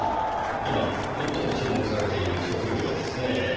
今最も注目されている職業ですねぇ。